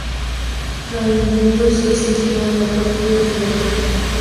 Raimundo se exilió en la corte de Inglaterra.